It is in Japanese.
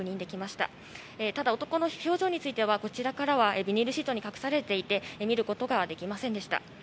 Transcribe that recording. ただ、男の表情についてはこちらからはビニールシートに隠されていて見ることができませんでした。